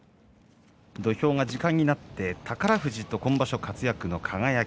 土俵が時間になって宝富士と今場所活躍の輝。